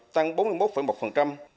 tăng bốn mươi một phần